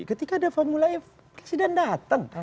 ketika ada formulanya presiden dateng